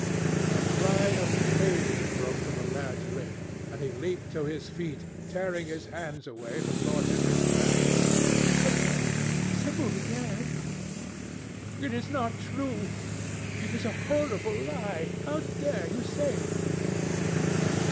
A cry of pain broke from the lad's lips, and he leaped to his feet, tearing his hands away from Lord Henry's grasp. "Dead! Sibyl dead! It is not true! It is a horrible lie! How dare you say it?"